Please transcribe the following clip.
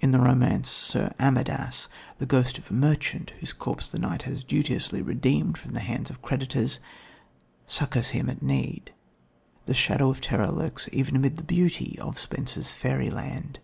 In the romance of Sir Amadas, the ghost of a merchant, whose corpse the knight had duteously redeemed from the hands of creditors, succours him at need. The shadow of terror lurks even amid the beauty of Spenser's fairyland.